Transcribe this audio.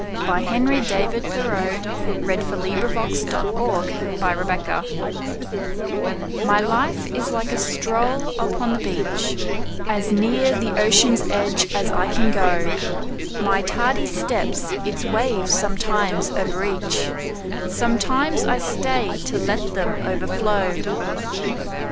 By Henry DavidThoreau 301 The Fisher's Boy MY life is like a stroll upon the beach, As near the ocean's edge as I can go; My tardy steps its waves sometimes o'erreach, Sometimes I stay to let them overflow.